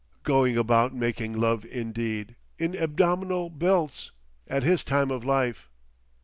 "Going about making love indeed,—in abdominal belts!—at his time of life!"